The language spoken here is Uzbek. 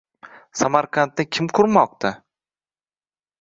Samarqandni kim qurmoqda?